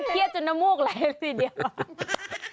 ดิฉันเครียดจนนมวกเลยทีเดียว